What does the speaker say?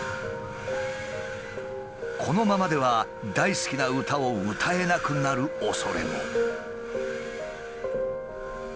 このままでは大好きな歌を歌えなくなるおそれも。